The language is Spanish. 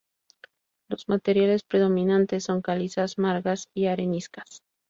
Los materiales predominantes son calizas, margas y areniscas.